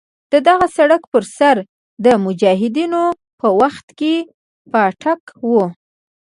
د دغه سړک پر سر د مجاهدینو په وخت کې پاټک وو.